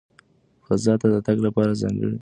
فضا ته د تګ لپاره ځانګړي کالي پکار دي.